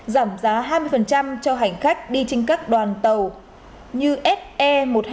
giảm giá hai mươi cho hành khách đi trên các đoàn tàu như se